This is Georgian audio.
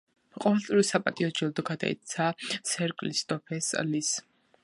ყოველწლიური საპატიო ჯილდო გადაეცა სერ კრისტოფერ ლის.